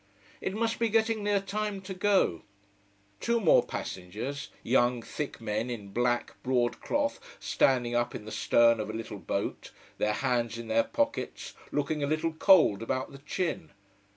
It must be getting near time to go. Two more passengers young thick men in black broad cloth standing up in the stern of a little boat, their hands in their pockets, looking a little cold about the chin.